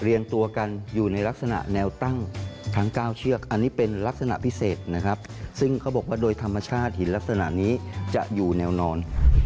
ตัวกันอยู่ในลักษณะแนวตั้งทั้ง๙เชือกอันนี้เป็นลักษณะพิเศษนะครับซึ่งเขาบอกว่าโดยธรรมชาติหินลักษณะนี้จะอยู่แนวนอน